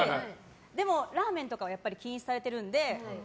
でもラーメンとかは禁止されているんですよ。